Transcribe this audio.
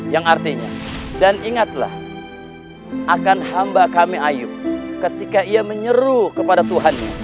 yang artinya dan ingatlah akan hamba kami ayu ketika ia menyeru kepada tuhannya